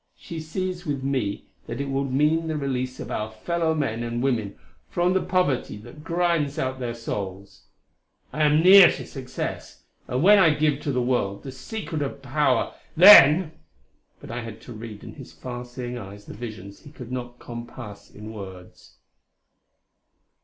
She sees with me that it will mean the release of our fellow men and women from the poverty that grinds out their souls. I am near to success; and when I give to the world the secret of power, then " But I had to read in his far seeing eyes the visions he could not compass in words.